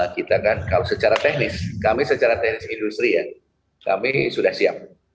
kita kan kalau secara teknis kami secara teknis industri ya kami sudah siap